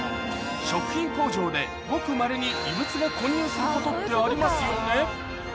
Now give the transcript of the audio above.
食品工場でごくまれに異物が混入することってありますよね